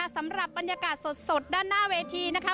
สำหรับบรรยากาศสดด้านหน้าเวทีนะคะ